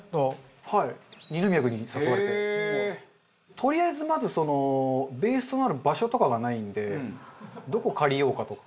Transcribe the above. とりあえずまずそのベースとなる場所とかがないんで「どこ借りようか？」とか。